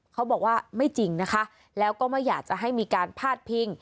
เขาบอกว่าไม่จริงนะคะแล้วก็ไม่อยากจะให้มีการพาดพิง